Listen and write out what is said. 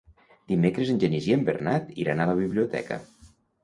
Dimecres en Genís i en Bernat iran a la biblioteca.